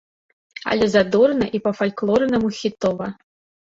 Але задорна і па-фальклорнаму хітова!